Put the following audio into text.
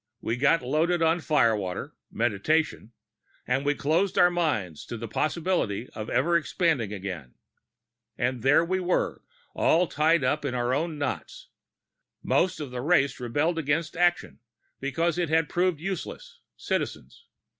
We got loaded on firewater Meditation and we closed our minds to the possibility of ever expanding again. And there we were, all tied up in our own knots. Most of the race rebelled against action, because it had proven useless Citizens.